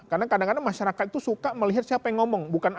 karena kadang kadang masyarakat itu suka melihat siapa yang ngomong